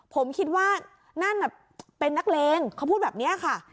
ผมคิดว่านั่นน่ะเป็นนักเลงเขาพูดแบบนี้ค่ะ